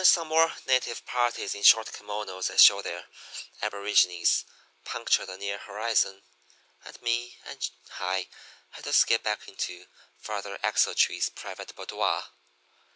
"Then some more native parties in short kimonos that showed their aboriginees punctured the near horizon, and me and High had to skip back into Father Axletree's private boudoir.